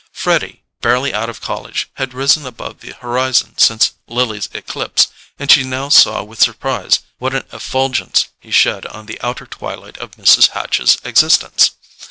Freddy, barely out of college, had risen above the horizon since Lily's eclipse, and she now saw with surprise what an effulgence he shed on the outer twilight of Mrs. Hatch's existence.